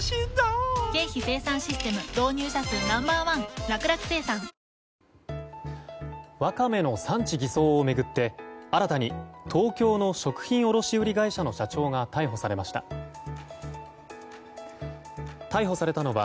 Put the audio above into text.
ワカメの産地偽装を巡って新たに東京の食品卸売会社の社長が逮捕されました。